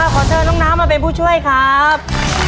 ขอเชิญน้องน้ำมาเป็นผู้ช่วยครับ